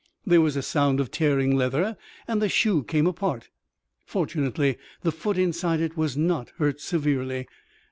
There was a sound of tearing leather, and the shoe came apart. Fortunately the foot inside it was not hurt severely.